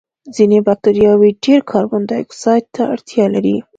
ځینې بکټریاوې ډېر کاربن دای اکسایډ ته اړتیا لري.